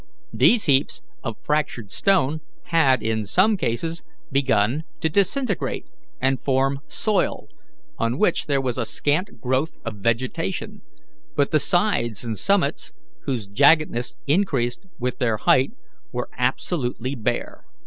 These heaps of fractured stone had in some cases begun to disintegrate and form soil, on which there was a scant growth of vegetation; but the sides and summits, whose jaggedness increased with their height, were absolutely bare.